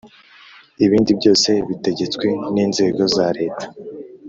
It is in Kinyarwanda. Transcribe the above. ibindi byose bitegetswe n inzego za leta